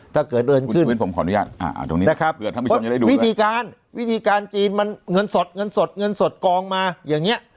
ถ้าเกิดเอิญขึ้นนะครับวิธีการวิธีการจีนมันเงินสดเงินสดเงินสดกองมาอย่างนี้